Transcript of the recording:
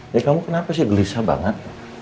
ya kamu kenapa sih gelisah banget